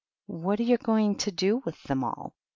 "What are you going to do with them all?"